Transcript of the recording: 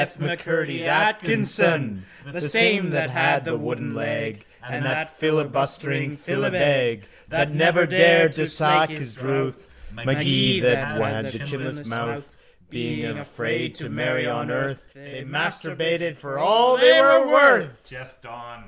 M'Curdy Atkinson, The same that had the wooden leg And that filibustering filibeg That never dared to slake his drouth, Magee that had the chinless mouth. Being afraid to marry on earth They masturbated for all they were worth. Jest on.